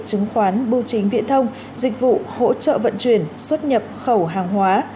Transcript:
chứng khoán bưu chính viễn thông dịch vụ hỗ trợ vận chuyển xuất nhập khẩu hàng hóa